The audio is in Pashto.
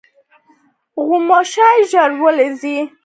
غوماشې ژر الوزي.